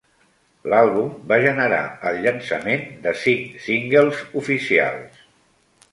L'àlbum va generar el llançament de cinc singles oficials.